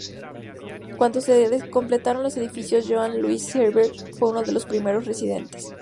Cuando se completaron los edificios, Johanne Luise Heiberg fue uno de los primeros residentes.